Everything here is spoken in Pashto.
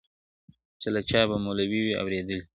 چي له چا به مولوي وي اورېدلې!.